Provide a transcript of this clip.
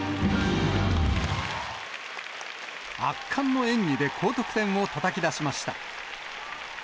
圧巻の演技で高得点をたたき出しました。